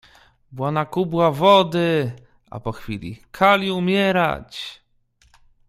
— Bwana Kubwa, wody! A po chwili: — Kali umierać.